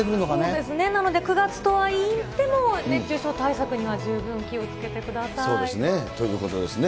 そうですね、なので９月とはいっても熱中症対策には十分気をつけてください。ということですね。